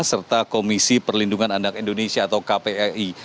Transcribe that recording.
serta komisi perlindungan anak indonesia atau kpai